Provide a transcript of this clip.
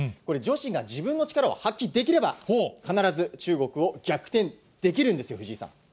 これ、女子が自分の力を発揮できれば、必ず中国を逆転できるんですよ、藤井さん。